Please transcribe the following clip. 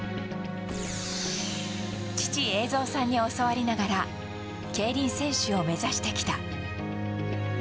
父・栄造さんに教わりながら競輪選手を目指してきた。